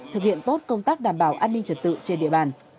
thực hiện tốt công tác đảm bảo an ninh trật tự trên địa bàn